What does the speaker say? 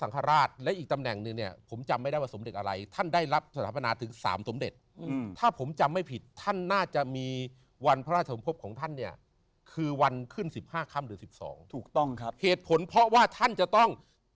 ๑๕ครั้งเดือ๑๒ถูกต้องครับเหตุผลเพราะว่าท่านจะต้อง